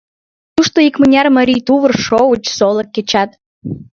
Тушто икмыняр марий тувыр, шовыч, солык кечат.